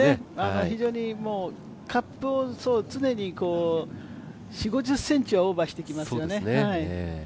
非常にカップを常に４０５０ｃｍはオーバーしてきますよね。